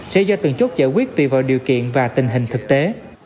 sẽ do từng chốt giải quyết tùy vào điều kiện và tình hình thực tế